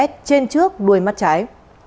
trên trước đôi mắt trái